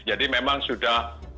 jadi memang sudah